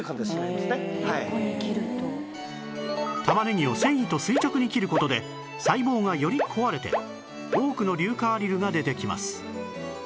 玉ねぎを繊維と垂直に切る事で細胞がより壊れて多くの硫化アリルが出てきます